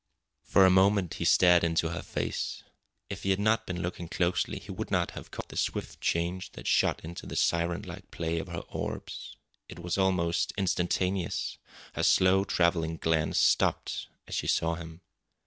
For a moment he stared into her face. If he had not been looking closely he would not have caught the swift change that shot into the siren like play of her orbs. It was almost instantaneous. Her slow travelling glance stopped as she saw him.